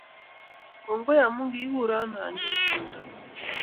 Kongoi amu kiikuro anyo tumdo ngun